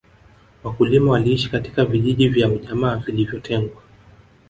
wakulima waliishi katika vijiji vya ujamaa vilivyotengwa